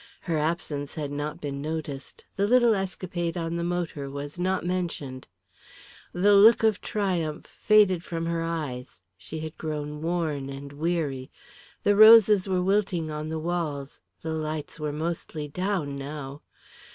Her absence had not been noticed, the little escapade on the motor was not mentioned. The took of triumph faded from her eyes, she had grown worn and weary. The roses were wilting on the walls, the lights were mostly down now.